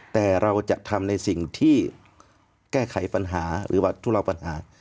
แต่เราจะทำในสิ่งที่แก้ไขปัญหาหรือว่าทุเลาปัญหา